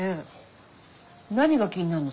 何が気になるのさ？